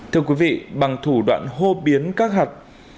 thưa quý vị bằng thủ đoạn hô biến các hạt